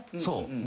そう。